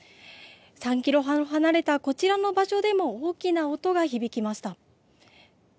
３キロほど離れたこちらの場所でも大きな音が響きました。